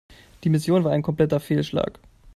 Die Mission war ein kompletter Fehlschlag.